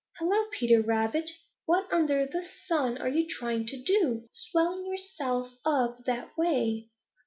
Hello, Peter Rabbit! What under the sun are you trying to do, swelling yourself up that way?"